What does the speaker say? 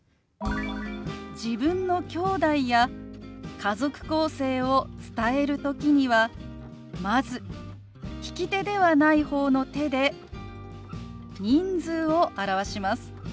自分のきょうだいや家族構成を伝える時にはまず利き手ではない方の手で人数を表します。